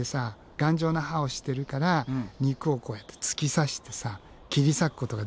頑丈な歯をしてるから肉をこうやって突き刺してさ切り裂くことができるんだよね。